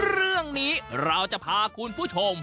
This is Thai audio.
เรื่องนี้เราจะพาคุณผู้ชม